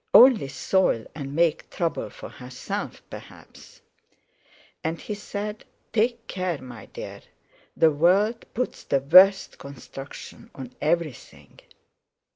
Only soil and make trouble for herself, perhaps. And he said: "Take care, my dear! The world puts the worst construction on everything."